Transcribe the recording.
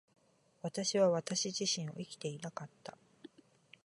私は私自身を生きていなかった。